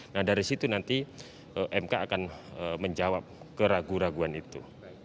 nah dari situ nanti mk akan menjawab keraguan keraguan itu